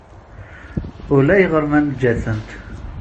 Ulayɣer ma nejja-tent.